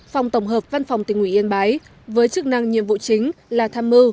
phòng tổng hợp văn phòng tỉnh ủy yên bái với chức năng nhiệm vụ chính là tham mưu